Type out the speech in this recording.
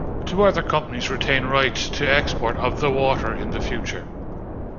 Two other companies retain rights to export of the water in the future.